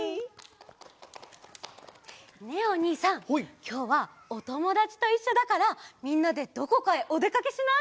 きょうはおともだちといっしょだからみんなでどこかへおでかけしない？